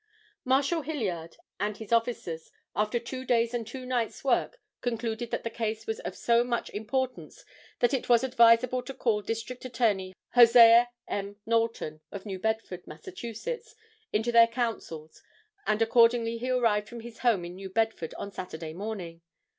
Marshal Hilliard and his officers after two days and two nights work concluded that the case was of so much importance that it was advisable to call District Attorney Hosea M. Knowlton, of New Bedford, Mass., into their counsels, and accordingly he arrived from his home in New Bedford, on Saturday morning.